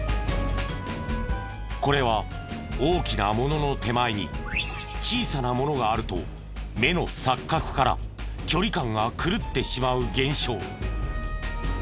これは大きなものの手前に小さなものがあると目の錯覚から距離感が狂ってしまう現象。